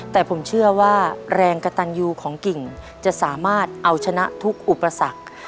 แต่ผมเชื่อว่าแรงกระตันยูของกิ่งจะสามารถเอาชนะทุกอุปสรรค